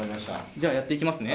じゃあやっていきますね。